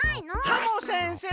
ハモ先生？